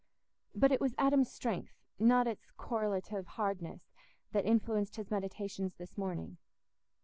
But it was Adam's strength, not its correlative hardness, that influenced his meditations this morning.